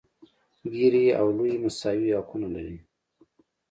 ګېري او لويي مساوي حقونه لري.